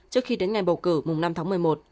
trước khi đến ngày bầu cử mùng năm tháng một mươi một